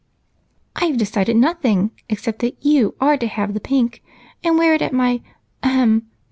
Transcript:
"I've decided nothing; except that you are to have the pink and wear it at my ahem!